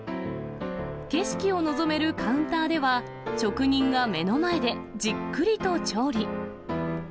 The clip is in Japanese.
景色を臨めるカウンターでは、職人が目の前でじっくりと調理。